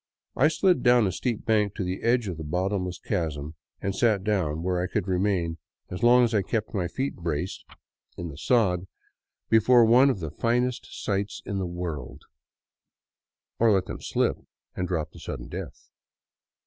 I slid down a steep bank to the edge of the bottomless chasm and sat down where I could remain, as long as I kept my feet braced 36 THE CLOISTERED CITY in the sod, before one of the finest sights in the world — or let them slip and drop to sudden death.